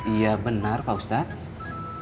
iya benar pak ustadz